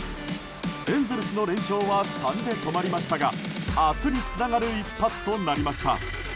エンゼルスの連勝は３で止まりましたが明日につながる１勝となりました。